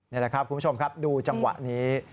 นี่แหละครับคุณผู้ชมครับดูจังหวะนี้